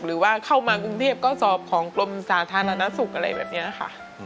หรือว่าเข้ามากรุงเทพก็สอบของกรมสาธารณสุขอะไรแบบนี้ค่ะ